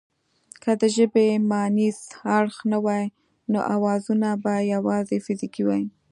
که د ژبې مانیز اړخ نه وای نو اوازونه به یواځې فزیکي وای